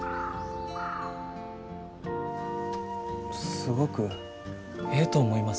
すごくええと思います。